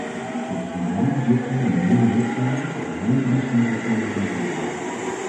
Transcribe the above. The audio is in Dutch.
Dit is met name zichtbaar in de nieuwe lidstaten, waar hele industriesectoren zijn verdwenen.